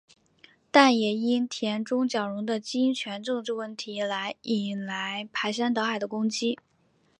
但也因田中角荣的金权政治问题来引来排山倒海的攻击。